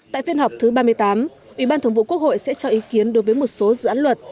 tại phiên họp thứ ba mươi tám ủy ban thường vụ quốc hội sẽ cho ý kiến đối với một số dự án luật